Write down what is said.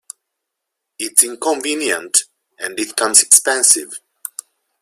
It's inconvenient — and it comes expensive.